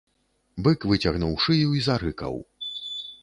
Бык выцягнуў шыю і зарыкаў.